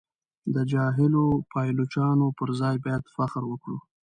د جاهلو پایلوچانو پر ځای باید فخر وکړو.